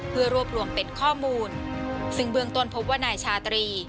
เพื่อรวบรวมเป็นข้อมูลซึ่งเบื้องต้นพบว่านายชาตรี